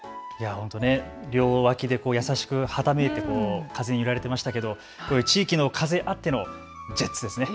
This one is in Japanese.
本当に両脇で優しくはためく風に揺られていましたけどこういう地域の風あってのジェッツですね。